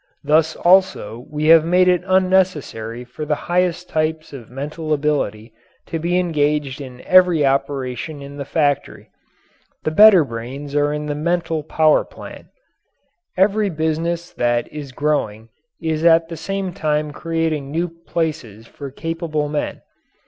Thus also we have made it unnecessary for the highest types of mental ability to be engaged in every operation in the factory. The better brains are in the mental power plant. Every business that is growing is at the same time creating new places for capable men.